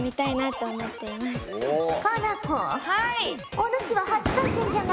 おぬしは初参戦じゃが